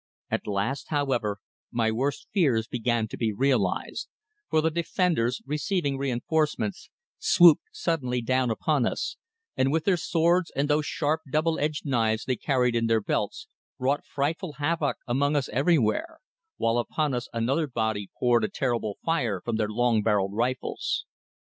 At last, however, my worst fears began to be realized, for the defenders, receiving reinforcements, swooped suddenly down upon us, and with their swords and those sharp double edged knives they carried in their belts, wrought frightful havoc among us everywhere, while upon us another body poured a terrible fire from their long barrelled rifles.